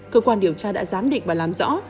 cơ quan điều tra đã giám định và làm rõ